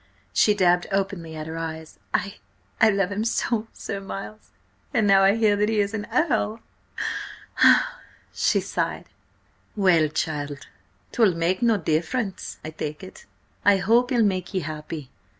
She dabbed openly at her eyes. "I–I love him so, Sir Miles–and now I hear that he is an Earl!" she sighed. "Well, child, 'twill make no difference, I take it. I hope he'll make ye happy."